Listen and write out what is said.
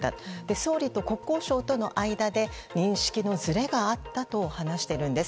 総理と国交省との間で認識のずれがあったと話しているんです。